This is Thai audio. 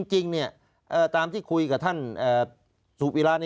จริงตามที่คุยกับท่านถูกปีลา